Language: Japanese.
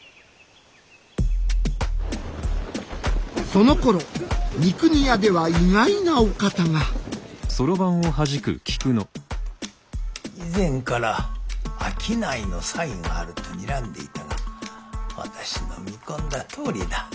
そのころ三国屋では意外なお方が以前から商いの才があるとにらんでいたが私の見込んだとおりだ。